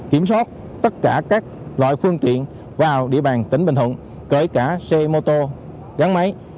kiểm soát tất cả các loại phương tiện vào địa bàn tỉnh bình thuận kể cả xe mô tô gắn máy